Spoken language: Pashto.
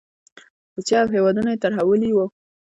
روسیه او هېوادونه یې ترهولي وو.